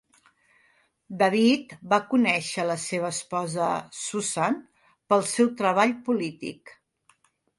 David va conèixer a la seva esposa, Susan, pel seu treball polític.